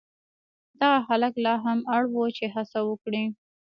دغه هلک لا هم اړ و چې هڅه وکړي.